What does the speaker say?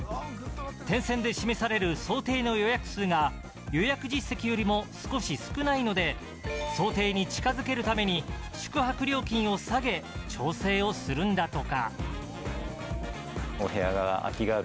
点線で示される想定の予約数が予約実績よりも少し少ないので想定に近づけるために宿泊料金を下げ調整をするんだとか。